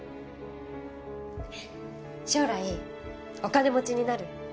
将来お金持ちになる？